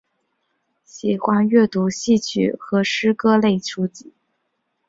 喜欢阅读戏曲与诗歌类书籍。